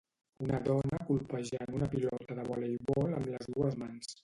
Una dona colpejant una pilota de voleibol amb les dues mans.